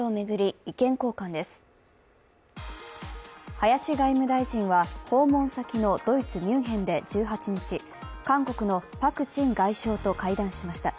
林外務大臣は訪問先のドイツ・ミュンヘンで１８日、韓国のパク・チン外相と会談しました。